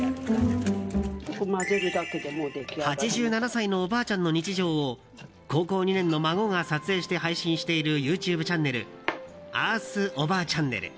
８７歳のおばあちゃんの日常を高校２年の孫が撮影して配信しているＹｏｕＴｕｂｅチャンネル「Ｅａｒｔｈおばあちゃんねる」。